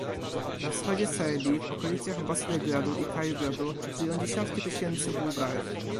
Na wschodzie Serbii, w okolicach Bosilegradu i Caribrodu żyją dziesiątki tysięcy Bułgarów